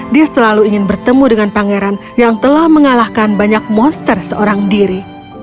dia selalu ingin bertemu dengan pangeran yang telah mengalahkan banyak monster seorang diri